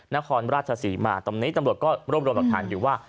นครราชศรีมาตอนนี้ตำรวจก็รวบรวมหลักฐานอยู่ว่า